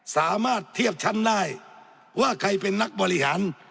สามารถเทียบชั้นได้ว่าใครเป็นนักบริหาร